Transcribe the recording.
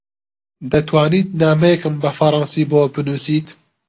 دەتوانیت نامەیەکم بە فەڕەنسی بۆ بنووسیت؟